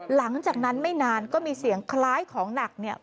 หลังจากนั้นไม่นานก็มีเสียงคล้ายของหนักเนี่ย